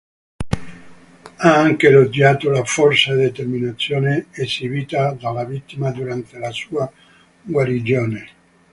Ha anche elogiato la "forza e determinazione" esibita dalla vittima durante la sua guarigione.